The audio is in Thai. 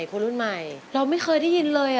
คนรุ่นใหม่เราไม่เคยได้ยินเลย